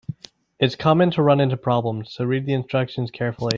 It's common to run into problems, so read the instructions carefully.